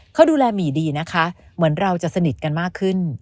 เขาดูแลหมี่ดีนะคะเหมือนเราจะสนิทกันมากขึ้น